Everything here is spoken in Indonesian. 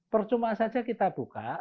percuma saja kita buka